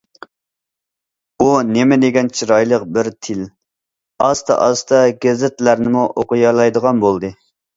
بۇ نېمىدېگەن چىرايلىق بىر تىل... ئاستا- ئاستا گېزىتلەرنىمۇ ئوقۇيالايدىغان بولدى.